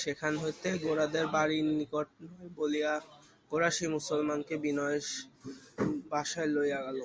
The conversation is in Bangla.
সেখান হইতে গোরাদের বাড়ি নিকট নয় বলিয়া গোরা সেই মুসলমানকে বিনয়ের বাসায় লইয়া গেল।